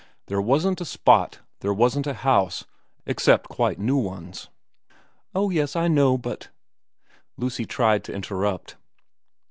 There wasn't a spot, there wasn't a house, except quite new ones ' Oh yes, I know but * Lucy tried to interrupt.